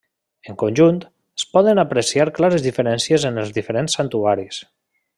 En conjunt, es poden apreciar clares diferències en els diferents santuaris.